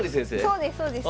そうですそうです。